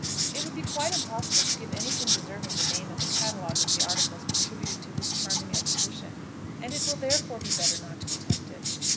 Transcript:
It would be quite impossible to give any thing deserving the name of a catalogue of the articles contributed to this charming exhibition; and it will therefore be better not to attempt it.